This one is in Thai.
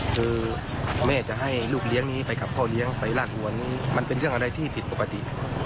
คือแม่จะให้ลูกเลี้ยงนี้ไปกับพ่อเลี้ยงไปลากหัวนี้มันเป็นเรื่องอะไรที่ผิดปกติ